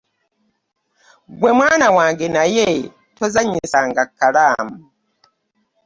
Ggwe mwana wange naye tozannyisa kkalaamu.